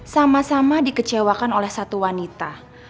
sama sama dikecewakan oleh satu wanita